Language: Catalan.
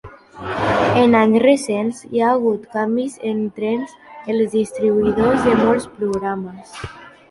En anys recents, hi ha hagut canvis entres els distribuïdors de molts programes.